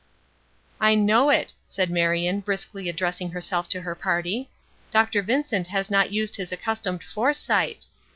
"I know it," said Marion, briskly addressing herself to her party. "Dr. Vincent has not used his accustomed foresight.